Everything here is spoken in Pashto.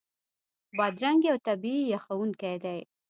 بادرنګ یو طبعي یخونکی دی.